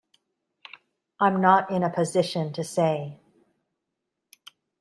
I'm not in a position to say.